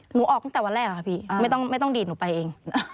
ออกตั้งแต่วันแรกค่ะพี่ไม่ต้องดีดหนูไปเอง